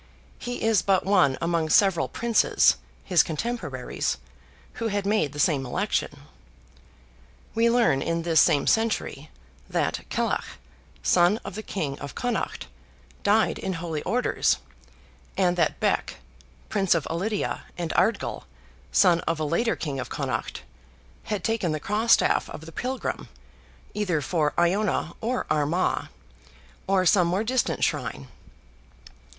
He is but one among several Princes, his cotemporaries, who had made the same election. We learn in this same century, that Cellach, son of the King of Connaught, died in Holy Orders, and that Bec, Prince of Ulidia, and Ardgall, son of a later King of Connaught, had taken the "crostaff" of the pilgrim, either for Iona or Armagh, or some more distant shrine.